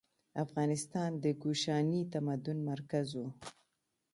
افغانستان د کوشاني تمدن مرکز و.